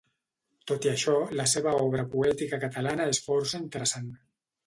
Tot i això la seva obra poètica catalana és força interessant.